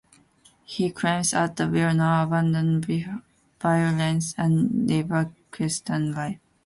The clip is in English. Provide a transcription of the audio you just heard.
He claims that he will now abandon violence and live a Christian life.